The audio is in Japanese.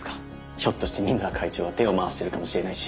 ひょっとして三村会長が手を回してるかもしれないし。